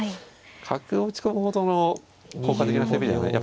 角を打ち込むほどの効果的な攻めじゃない。